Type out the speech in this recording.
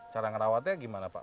cara ngerawatnya gimana pak